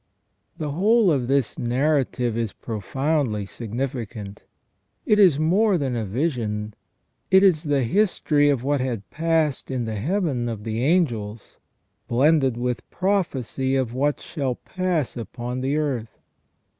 The whole of this narrative is profoundly significant It is more than a vision, it is the history of what had passed in the Heaven of the angels, blended with prophecy of what shall pass upon the earth.